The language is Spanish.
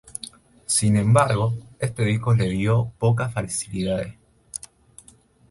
Sin embargo, este disco les dio pocas facilidades.